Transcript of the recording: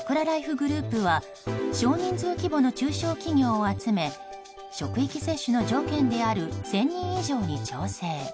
グループは少人数規模の中小企業を集め職域接種の条件である１０００人以上に調整。